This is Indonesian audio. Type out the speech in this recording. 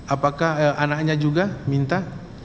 apakah anaknya juga minta